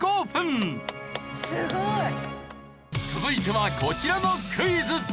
すごい！続いてはこちらのクイズ。